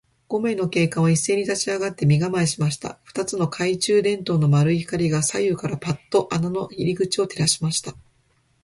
五名の警官はいっせいに立ちあがって、身がまえました。二つの懐中電燈の丸い光が、左右からパッと穴の入り口を照らしました。